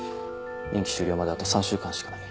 任期終了まであと３週間しかない。